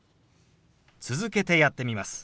続けてやってみます。